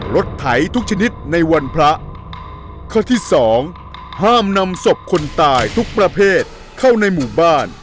ไถทุกชนิดในวันพระข้อที่สองห้ามนำศพคนตายทุกประเภทเข้าในหมู่บ้าน